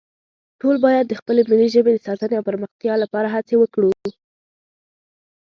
ټول باید د خپلې ملي ژبې د ساتنې او پرمختیا لپاره هڅې وکړو